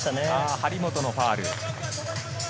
張本のファウル。